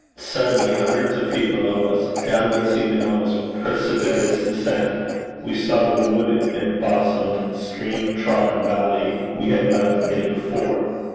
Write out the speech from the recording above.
Suddenly, hundreds of feet below us, down what seemed an almost precipitous descent, we saw the wood embosomed, stream trodden valley we had left the day before.